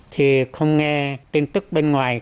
thì không nghe tin tức bên ngoài